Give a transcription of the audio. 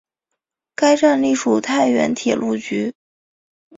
该站隶属太原铁路局。